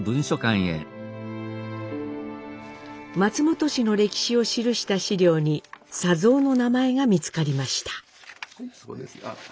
松本市の歴史を記した資料に佐三の名前が見つかりました。